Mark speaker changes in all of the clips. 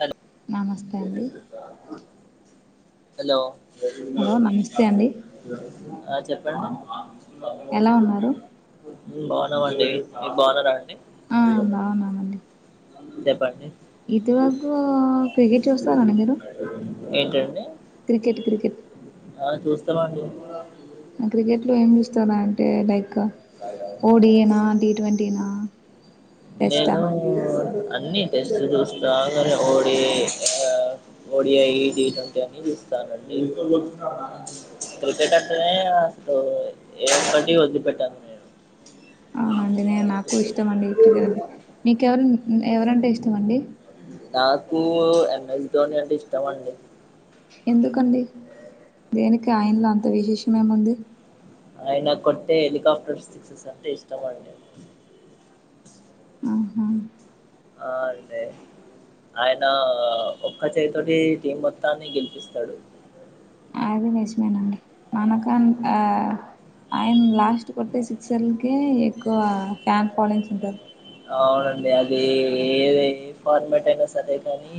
Speaker 1: Hello
Speaker 2: నమస్తే అండి
Speaker 1: hello
Speaker 2: hello నమస్తే అండి
Speaker 1: ఆ చెప్పండి
Speaker 2: ఎలా ఉన్నారు
Speaker 1: బాగున్నామండి మీ బాగున్నరా
Speaker 2: ఆ బాగున్నామండి
Speaker 1: చెప్పండి
Speaker 2: ఇదివరకు క్రికెట్ చూస్తారాండి మీరు
Speaker 1: ఏంటండి
Speaker 2: క్రికెట్ క్రికెట్
Speaker 1: ఆ చూస్తామండి
Speaker 2: అ క్రికెట్ లో ఏం చూస్తారా అంటే లైక్ ఓడిఏనా టీ ట్వంటీనా టెస్టా
Speaker 1: నేను అన్ని టస్ట్ చూస్తా [unintelligible] ఓడి అ ఓడిఐ టి ట్వంటీ అని చూస్తానండి క్రికెట్ అంటేనే అసలు ఏ ఒకటి వద్దిలి పెట్టను నేను
Speaker 2: అవునండి నే నాకు ఇష్టమండి క్రికెట్ అంటే నీకెవరు ఉ ఎవరంటే ఇష్టంమండి
Speaker 1: నాకు ఎం ఎస్ దోని అంటే ఇష్టం అండి
Speaker 2: ఎందుకండి దేనికి ఆయనలో అంత విశేషం ఏముంది
Speaker 1: ఆయన కొట్టే హెలికాప్టర్ సిక్సెస్ అంటే ఇష్టంమడి
Speaker 2: ఆహా
Speaker 1: ఆ అదే ఆయన ఒక్క చేైతోటి టీం మొత్తాన్ని గెలిపిస్తాడు
Speaker 2: అది నిజమేనండి మనకు ఆ ఆయన లాగ ఫస్ట్ కొట్టే సిక్స్ర్ క ఎక్కువ ఫ్యాన్ ఫాలోయింగ్స్ ఉంటారు
Speaker 1: అవునండి అది ఏ ఏ ఫార్మాట్ అయినా అదే కానీ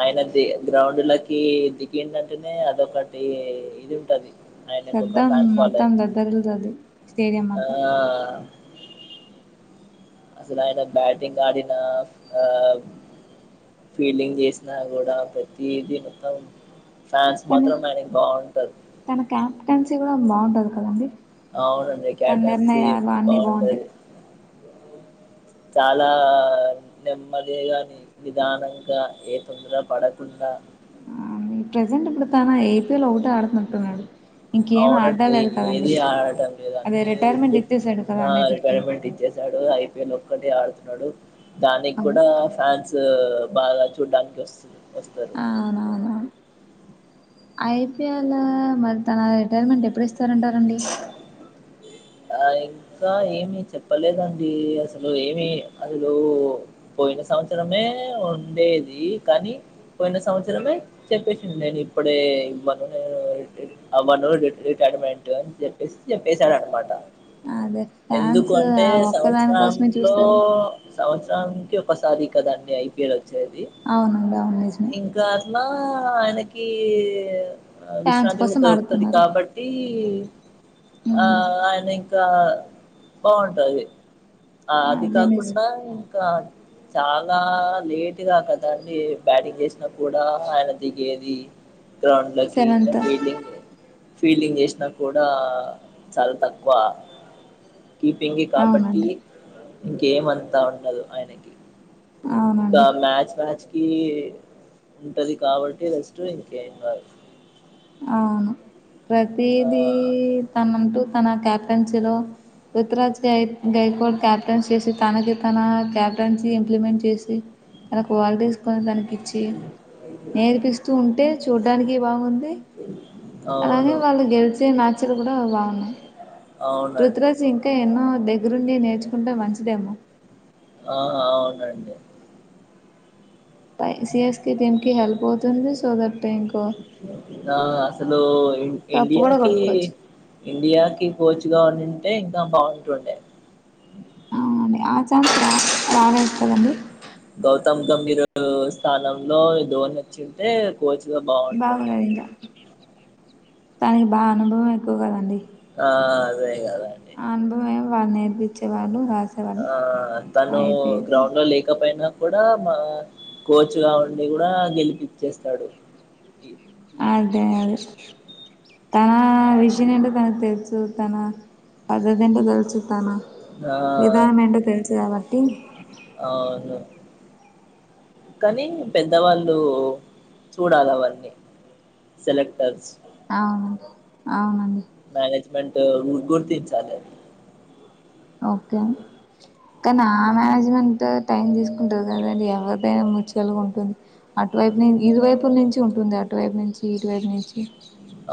Speaker 1: ఆయన ది గ్రౌండ్లకి దిగిడింటేనే అదొకటి ఇది ఉంటది అయన
Speaker 2: సద్దాం
Speaker 1: ఫాన్స్
Speaker 2: మొత్తం
Speaker 1: ఫాలోయి
Speaker 2: దద్దరిల్లుతది స్టేడియం
Speaker 1: ఆ
Speaker 2: అంతా
Speaker 1: అసలు ఆయన బ్యాటింగ్ ఆడిన ఆ ఫీల్డింగ్ చేసినా కూడా ప్రతిదీ మొత్తాం
Speaker 2: తన తన క్యాప్టెన్సీ కూడా బాగుంటంది కదండడి
Speaker 1: అవునండి క్యాప్టెన్సీ
Speaker 2: తన్ర్ణయా వాన్ీ బాం
Speaker 1: బాగుంటది చాలా నెమ్మదిగా ని నిదానంగా ఏ తొందర పడకుండా
Speaker 2: ఆ ఈ ప్రెజెంట్ ఇప్పుడు తన ఐపీఎల్ ఒకట ఆడుతుంటున్నాడు
Speaker 1: అవునండి ఏది ఆడటం
Speaker 2: అదే రిటైర్మెంట్
Speaker 1: లేదాన్నిట
Speaker 2: ఇచ్చేసాడు కదా
Speaker 1: ఆ
Speaker 2: అన్నిటికి
Speaker 1: రిటైర్మెంట్ ఇచ్చసాడు ఐపీఎల్ ఒక్కటి ఆడుతున్నాడు దానికి
Speaker 2: అవును
Speaker 1: కూడా ఫ్యాన్స్ బాగా చూడ్డానికి వస్త వస్తారు
Speaker 2: అవునవును ఐపీఎల్ మరి తన రిటైర్మెంట్ ఎప్పుడు ఇస్తారంటారండి
Speaker 1: ఆ ఇంకా ఏమి చెప్పలేదండి అసలు ఏమి అసలు పోయిన స పోయిన సంవత్సరమే ఉండేది కానీ పొయిన సంవత్సరమే చెప్పేసి నేను ఇప్పుడే మను అమను రిటైర్మెంట్సాడ చెప్పేసారా అనమాట
Speaker 2: అదే
Speaker 1: ఎందుకు
Speaker 2: ఫ్యాన్స్
Speaker 1: అంటే
Speaker 2: ఆ ఒక్కదాని కోసమే
Speaker 1: సంవత్సరంలో
Speaker 2: చూస్తారు
Speaker 1: సంవత్సర నికి ఒకసారి కదండి ఐపీఎల్ వచ్చేది
Speaker 2: అవునండి అవును నిజమే
Speaker 1: ఇంకా అలా లా ఆయనకి
Speaker 2: ఫ్యాన్స్
Speaker 1: విశ్రాంతి కూడా
Speaker 2: కోసం
Speaker 1: దొరుకుతుది
Speaker 2: ఆడుతున్నారు
Speaker 1: కాబట్టి ఆ
Speaker 2: ఉమ్
Speaker 1: అయిన ఇకా బావుంటది అది
Speaker 2: అదే నిజం
Speaker 1: కాకుండా ఇంకా చాలా లేటుగా కదాండి బ్యాటింగ్ చేసినా కూడా ఆయన దిగేది గ్రౌండ్లకి
Speaker 2: సెవెంత్
Speaker 1: ఫీల్డింగ్ ఫీల్డింగ్ చేసినా కూడా చాలా తక్కువ వా కపింగి కాబట్టి
Speaker 2: అవునండి
Speaker 1: ఇంకేమ అంతా ఉండదు ఆయనకి ఇంకా
Speaker 2: అవునండి
Speaker 1: మ్యాచ్ మ్యాచ్ కి ఉంటది కాబట్టి రెస్ట్ ఇంకేం కాదు
Speaker 2: అవును
Speaker 1: ఆ
Speaker 2: ప్రతిదీ తనంటూ తన క్యాప్టెన్సీలో పృథ్వరాజ్ గ గైకోవాడ్ క్యాప్టెన్సీ చేసి తనకి తన క్యాప్టెన్సీ ఇంప్లిమెంట్ చేసి తనకు వల్లిస్ తీసుకొని తనకి ఇచ్చి నేర్పిస్తూ ఉంటే చూడ్డానికి బాగుంది అలానే
Speaker 1: అవును
Speaker 2: వాళ్ళు గెలిచే నాచలు కూడా బాగున్నాయి
Speaker 1: అవునండి
Speaker 2: డిఫరెన్సీ ఇంకా ఎన్నో దగ్గరుండి నేర్చుకుంటే మంచిదేమో
Speaker 1: అ ఆవు
Speaker 2: పై సిఎస్ టీమ్ కి హెల్ప్ అవుతుంది సో దట్ ఇంకో
Speaker 1: ఆ అసలు
Speaker 2: కప్పు కూడా
Speaker 1: ఇండియాకి
Speaker 2: కొట్టుకోవచ్చు.
Speaker 1: ఇండియాకి కోచ్ గా ఉంటే ఇంకా బాగుంటుండే
Speaker 2: అవునండి ఆ ఛాన్స్ రా బాగా వస్తుందండి
Speaker 1: గౌతమ్ గంభీరు స్థానంలో దోని వచ్చింటే కోచ్గా బాగుంటుండే
Speaker 2: కానికి బాగా అనుభవం ఎక్కువ కదండి
Speaker 1: ఆ అదే కదండి
Speaker 2: ఆ అనుభవే వాళ్ళు నేర్పించేవాళ్ళు రాసేవాళ్ళు
Speaker 1: ఆ తను
Speaker 2: అయిపోయేది.
Speaker 1: గ్రౌండ్ లో లేకపోయినా కూడా మా కోచ్గా ఉండి కూడా గెలిపచ్చేస్తాడు
Speaker 2: అదే అదే తన విషయం ఏంటో తనకు తెలుసు తన పద్ధతి ఏంటో తెలుసు తన
Speaker 1: ఆ
Speaker 2: విధానం ఏంటో తెలుసు కాబట్టి
Speaker 1: అవును కానీ పెద్దవాళ్ళు చూడాలి అవన్నీ సెలెక్టర్స్
Speaker 2: అవునండి అవునండి
Speaker 1: మేనేజ్మెంట్ గుర్తింన్ చాలే
Speaker 2: ఓకే కానీ ఆ మేనేజ్మెంట్ టైం తీసుకుంటది కదండి ఎవరిదైనా మ్యూచువల్ ఉంటుంది అటువైపు నేన్ ఇరు వైపుల నుంచి ఉంటుంది అటువైపు నుంచి ఇటువైపు నుంచి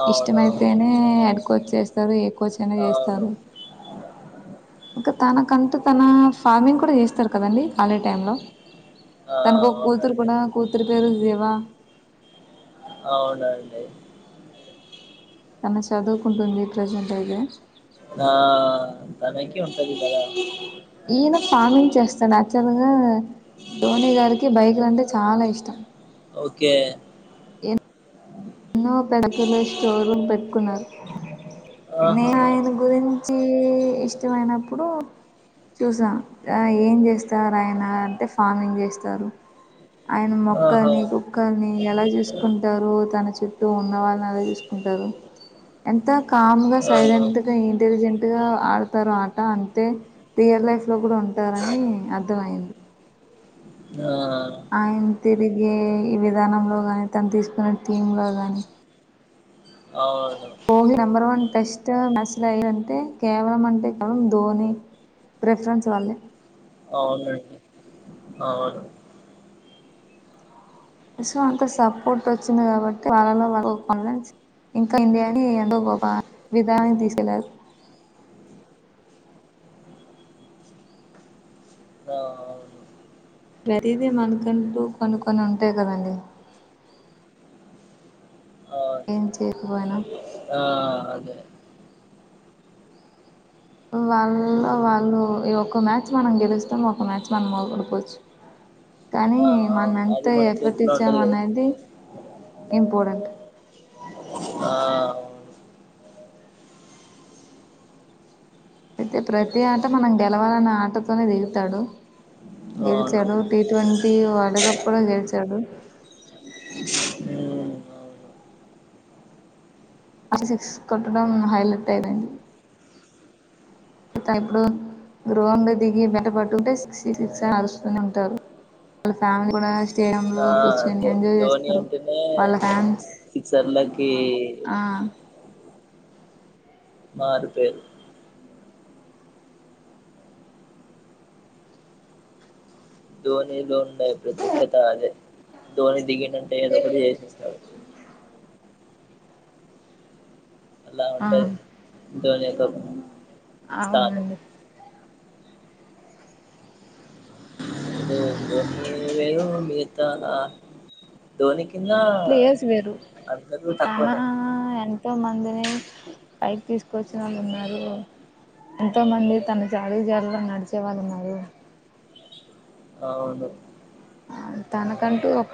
Speaker 1: అవునవును
Speaker 2: ఇష్టమైతేనే అడ్కోచ్ చేస్తారు ఏ కోచ్ అయినా
Speaker 1: అవును
Speaker 2: చేస్తారు ఒక తనకంటూ తన ఫార్మింగ్ కూడా చేస్తారు కదండి ఖాళీ టైం లో
Speaker 1: ఆ
Speaker 2: తనకు ఒక కూతురు
Speaker 1: అవునండి
Speaker 2: కూడా కూతురు పేరు దేవా
Speaker 1: అవునండి
Speaker 2: తన చదువుకుంటుంది ప్రెజెంట్ అయితే
Speaker 1: ఆ తనకి ఉంటది కదా
Speaker 2: ఈయన ఫార్మింగ్ చేస్ చ నాచురల్గా ధోని గారికి బైక్లు అంటే చాలా ఇష్టం
Speaker 1: ఓకే
Speaker 2: [unintelligible] స్టో రూమ్ పెట్టుకున్నారు నే
Speaker 1: ఆహా
Speaker 2: ఆయన గురించి ఇష్టమైనప్పుడు చూసా ఆ ఏం చేస్తారు ఆయన అంటే ఫార్మింగ్ చేస్తారు ఆయన
Speaker 1: ఆహా
Speaker 2: మొక్కని కుక్కల్ని ఎలా చూసుకుంటారో తన తో ఉన్న వాళ్ళని అలా చూసుకుంటారు ఎంత కామ్ గా
Speaker 1: ఆ
Speaker 2: సైలెంట్ గా ఇంటెలిజెం ట్గా ఆడుతారు ఆట అంతే రియల్ లైఫ్ లో కూడా ఉంటారని అర్థ అయింది
Speaker 1: ఆ
Speaker 2: ఆయన తిరిగే విధానంలో గాని తను తీసుకునే టీమ్ లో గాని
Speaker 1: అవును
Speaker 2: ధోని నెంబర్ వన్ టెస్ట్ [unintelligible] త్రయ్ అంటే కేవలం అంటే కేవలం ధోని ప్రిఫరెన్స్ వాళ్ళే
Speaker 1: అవునం అవును
Speaker 2: సో అంత సపోర్ట్ వచ్చింది కాబట్టి వాళ్ళలో వాళ్ళ కాన్ఫిడెన్స్ ఇంకా ఇండియాని [unintelligible] విధానం తీసెలాగా
Speaker 1: ఆ అవును
Speaker 2: ప్రతిదీ మనుకంటు కొన్ని కొన్ని ఉంటాయి కదండి
Speaker 1: ఆ
Speaker 2: ఏం చేయకపోయినా
Speaker 1: ఆ ఆ అదే
Speaker 2: వాళ్లలో వాళ్ళు ఒక మ్యాచ్ మనం గెలుస్తాం ఒక మ్యాచ్ మనం వోడిపోవచ్చు కానీ
Speaker 1: ఆ
Speaker 2: మనం
Speaker 1: అవును అది
Speaker 2: ఎంత
Speaker 1: మన
Speaker 2: ఎఫర్ట్
Speaker 1: చేతిలో
Speaker 2: ఇచ్చాము
Speaker 1: ఉండదు కదా
Speaker 2: అనేది ఇంపార్టెంట్
Speaker 1: ఆ
Speaker 2: అయితే ప్రతి ఆట మనం గెలవాలన్న ఆటతోనే దిగుతాడు గెలిచాడు
Speaker 1: అవునవును
Speaker 2: టీ ట్వంటీ వరల్డ్ కప్ కూడా గెలిచాడు
Speaker 1: హ్మ్ అవును
Speaker 2: అ సిక్సస్ కొట్టడం హైలైట్ ఏనే [unintelligible] గ్రౌండ్ లో దిగి బాట్ పట్టుకుంటే సిక్స్ ఈ సిక్స్ అరుస్తూనే ఉంటారు వాళ్ళ ఫ్యామిలీ కూడా స్టేడియ లో
Speaker 1: ఆ
Speaker 2: కూర్చుకొని
Speaker 1: ధో
Speaker 2: ఎంజాయ్
Speaker 1: ధోని
Speaker 2: చేస్తారు
Speaker 1: అంటేనే
Speaker 2: వాళ్ళ ఫ్యాన్స్
Speaker 1: సిక్సర్లకి
Speaker 2: ఆ
Speaker 1: మారు పేరు ధోనిలో ఉండే ప్రతేకత అదే ధోని దిగిన్ ఏంటంటే ఏదో ఒకటి చేసేస్తాడు అలా
Speaker 2: ఆ
Speaker 1: అంటే ధోని యొక్క స్థానం
Speaker 2: అవునండి
Speaker 1: అసలు ధోని వేరు మిగితా ఆ ధోనికి
Speaker 2: ప్లేయస్ వేరు తన
Speaker 1: తక్కువనే
Speaker 2: ఎంతో మందిని పైకి తీసుకొచ్చిన వాళ్ళు ఉన్నారు ఎంతో మంది తన జాడీ జాలలో నడిచే వాళ్ళు ఉన్నారు
Speaker 1: అవును
Speaker 2: తనకంటూ ఒక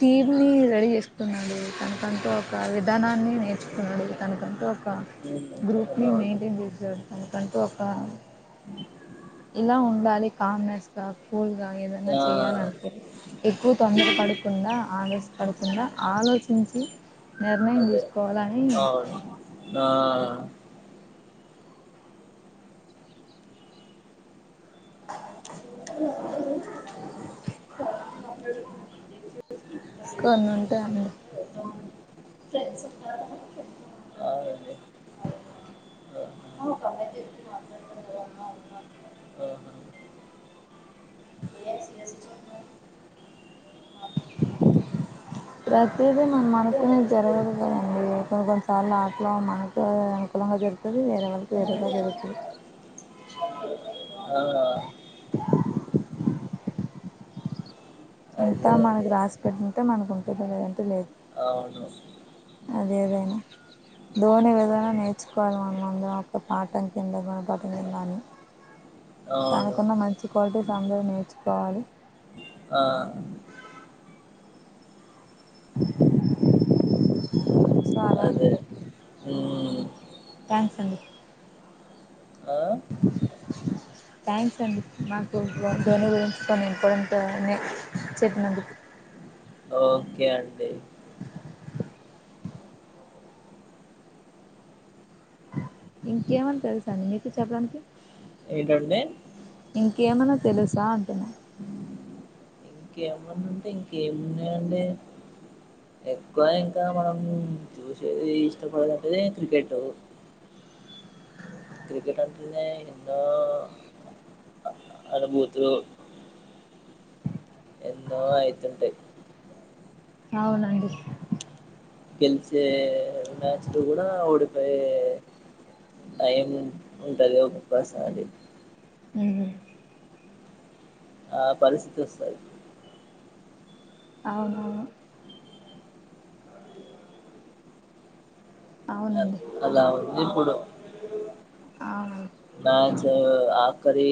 Speaker 2: టీవీని రెడీ చేస్తున్నాడు తనకంటూ ఒక విధానాన్ని నేర్చుకున్నాడు తనకంటూ ఒక
Speaker 1: ఉమ్
Speaker 2: ఒక గ్రూప్ ని
Speaker 1: అవునవును
Speaker 2: మెయింటైన్ చేస్తూ తనకంటూ ఒక
Speaker 1: [unintelligible]
Speaker 2: ఇలా ఉండాలి కామ్నెస్ గా కుల్గా ఏదన్నా
Speaker 1: ఆ
Speaker 2: చేయాలనుకునీ ఎక్కువ తొందర పడు కుండ ఆవేశపడుకుండాా ఆలోచించి నిర్ణయం
Speaker 1: అదే
Speaker 2: తీసుకోవాలని
Speaker 1: అవును ఆ [unintelligible]
Speaker 2: కొన్ని ఉంటాయన
Speaker 1: ఆ అండి [unintelligible] ఎస్ ఎస్
Speaker 2: ప్రతీదీ మనమనుకుం జరగదు కదండి కొన్ని కొన్నిసార్లు ఆటలో మనకు అనుకూలంగా జరుగుంది. వేరే వాళ్ళకి వేరుగా జరుగుతుంది
Speaker 1: అవున
Speaker 2: ఇంతా
Speaker 1: అదే
Speaker 2: మనకి
Speaker 1: అదే
Speaker 2: రాసి పెట్టింటే మనకు ఉంటది లేదంటే లేదు
Speaker 1: అవును
Speaker 2: అదేదైనా నేను ఏదైనా నేర్చుకోవాలి మనందు అడ పాఠం కింద కూడా బగనే మని
Speaker 1: అవును
Speaker 2: తనకున్న మంచి క్వాలిటీస్ అందరు నేర్చుకోవాలి
Speaker 1: ఆ
Speaker 2: సో అలాగే
Speaker 1: అదే
Speaker 2: థ్యాంక్స్ అండి
Speaker 1: ఆ
Speaker 2: థ్యాంక్స్ అండి నాకు తను గురించి కొన్ని ఇంపార్టెంట్నే చెప్పినందుకు
Speaker 1: ఓకే అండి
Speaker 2: ఇంకేమని తెలుసా అండి మీకు చెప్పడానికి
Speaker 1: ఏంటండి
Speaker 2: కేమనా తెలుసా అంటున్నా
Speaker 1: ఇంకేమున్నాంటే ఇంకేమి ఉన్నాయండి ఎక్కువ ఇంకా మనం చూసేది ఇష్టపడాలంటేది క్రికెట్
Speaker 2: అ
Speaker 1: క్రికెట్ అంటే ఏందో అడబోతే ఎన్నో ఆయితుంటాయ్
Speaker 2: అవునండి
Speaker 1: గెలిచే మ్యాచ్ లో కూడా ఓడిపోయవు ఏం ఉంటది ఒక ఉపాసం అది
Speaker 2: హుహుమ్
Speaker 1: ఆ పరిస్థితి వస్తాయి
Speaker 2: అవును అవును అవునండి
Speaker 1: అలా ఉంది ఇప్పుడు
Speaker 2: అవునండి
Speaker 1: నాక్స్ ఆ కర్రీ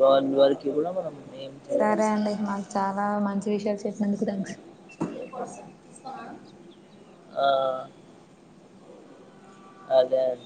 Speaker 1: బల్ వర్కి బ మ
Speaker 2: సరే అండి మాకు చాలా మంచి విషయాలు చెప్పినందుకు థ్యాంక్స్
Speaker 1: ఆ అదే అద